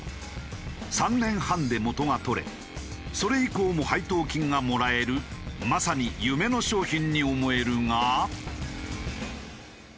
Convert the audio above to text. ３年半で元が取れそれ以降も配当金がもらえるまさに夢の商品に思えるが。